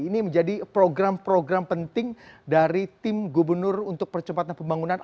ini menjadi program program penting dari tim gubernur untuk percepatan pembangunan